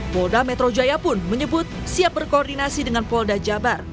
polda metro jaya pun menyebut siap berkoordinasi dengan polda jabar